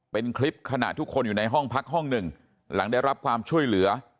เป็นคลิปขณะทุกคนอยู่ในห้องพักห้องหนึ่งหลังได้รับความช่วยเหลือ